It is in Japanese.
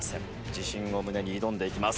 自信を胸に挑んでいきます。